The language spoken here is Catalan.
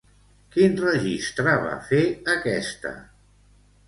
Quin registre va fer aquesta?